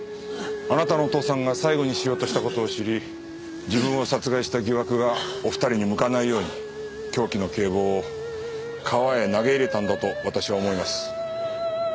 あなたのお父さんが最後にしようとした事を知り自分を殺害した疑惑がお二人に向かないように凶器の警棒を川へ投げ入れたんだと私は思います。